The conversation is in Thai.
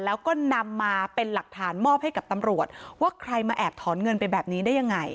แล้วก็นำมาเป็นหลักฐานมอบให้กับตำรวจว่าใครมาแอบถอนเงินไปแบบนี้ได้ยังไง